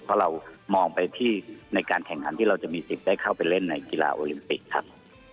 เพราะเรามองไปที่ในการแข่งขันที่เราจะมีสิทธิ์ได้เข้าไปเล่นในกีฬาโอลิมปิกครับ